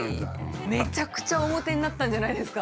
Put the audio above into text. めちゃくちゃおモテになったんじゃないですか？